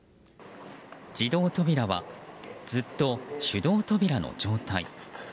自動扉はずっと手動扉の状態。